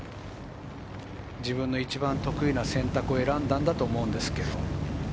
自分の一番得意な選択を選んだんだと思います。